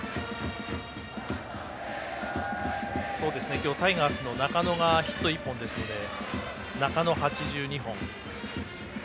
今日、タイガースの中野がヒット１本ですので中野が８２本。